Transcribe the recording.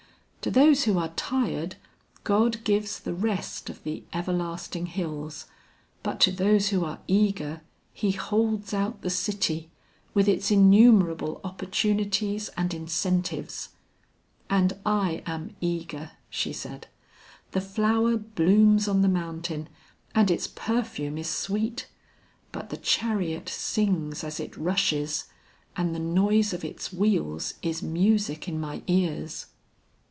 To those who are tired, God gives the rest of the everlasting hills, but to those who are eager, he holds out the city with its innumerable opportunities and incentives. And I am eager," she said. "The flower blooms on the mountain, and its perfume is sweet, but the chariot sings as it rushes, and the noise of its wheels is music in my ears."